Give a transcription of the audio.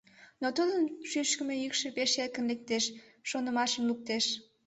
Но тудын шӱшкымӧ йӱкшӧ пеш эркын лектеш, шонымашым луктеш.